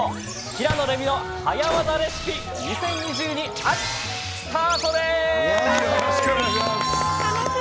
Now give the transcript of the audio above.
「平野レミの早わざレシピ２０２２秋」スタートです！